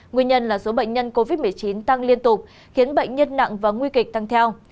nguyên nhân là số bệnh nhân covid một mươi chín tăng liên tục khiến bệnh nhân nặng và nguy kịch tăng theo